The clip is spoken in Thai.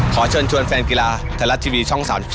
ขอเชิญชวนแฟนกีฬาไทยรัฐทีวีช่อง๓๒